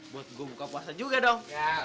buat gue buka puasa juga dong